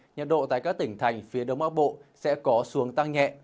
nhiệt độ tại các tỉnh thành phía đông bắc bộ sẽ có xuống tăng nhẹ